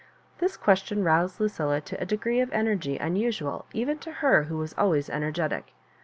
This question roused Lucilla to a degree of energy unusual even to her who was always energetic.